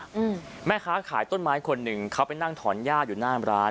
อืมแม่ค้าขายต้นไม้คนหนึ่งเขาไปนั่งถอนหญ้าอยู่หน้าร้าน